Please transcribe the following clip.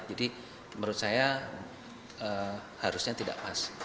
jadi menurut saya harusnya tidak pas